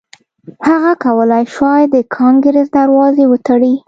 هغه کولای شوای د کانګریس دروازې وتړي.